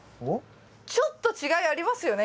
ちょっと違いありますよね